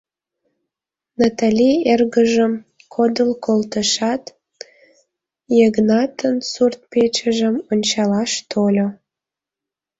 Натали эргыжым кодыл колтышат, Йыгнатын сурт-печыжым ончалаш тольо.